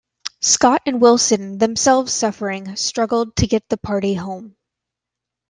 Scott and Wilson, themselves suffering, struggled to get the party home.